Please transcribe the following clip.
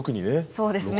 そうですね。